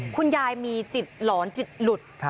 คุณยายมีจิตหลอนจิตหลุด